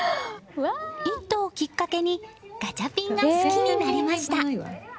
「イット！」をきっかけにガチャピンを好きになりました。